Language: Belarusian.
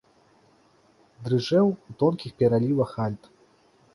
Дрыжэў у тонкіх пералівах альт.